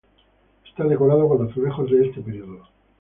Está decorada con azulejos de este periodo.